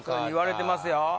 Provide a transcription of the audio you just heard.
言われてますよ。